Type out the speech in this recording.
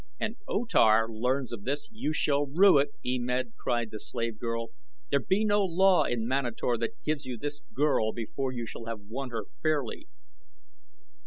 "And O Tar learns of this you shall rue it, E Med," cried the slave girl; "there be no law in Manator that gives you this girl before you shall have won her fairly."